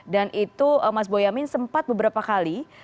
dan itu mas boyamin sempat beberapa kali